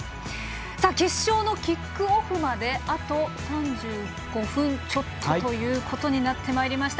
決勝のキックオフまであと３５分ちょっとということになってまいりました。